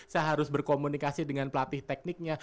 saya harus berkomunikasi dengan pelatih tekniknya